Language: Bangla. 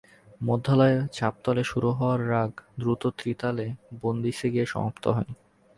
মধ্যলয়ে ঝাপতালে শুরু হওয়ায় রাগ দ্রুত ত্রিতালে বন্দিসে গিয়ে সমাপ্ত হয়।